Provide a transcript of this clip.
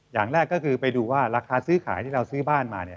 อย่างแรกก็คือไปดูว่าราคาซื้อขายที่เราซื้อบ้านมาเนี่ย